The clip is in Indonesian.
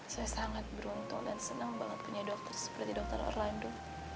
saya sangat beruntung dan senang banget punya dokter seperti dokter orlando